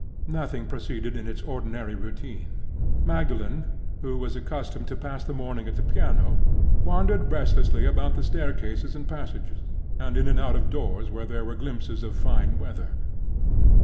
Nothing proceeded in its ordinary routine. Magdalen, who was accustomed to pass the morning at the piano, wandered restlessly about the staircases and passages, and in and out of doors when there were glimpses of fine weather.